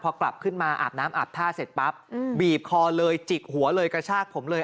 พอกลับขึ้นมาอาบน้ำอาบท่าเสร็จปั๊บบีบคอเลยจิกหัวเลยกระชากผมเลย